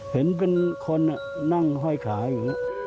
เห็นเป็นคนนั่งห้อยขาอย่างนี้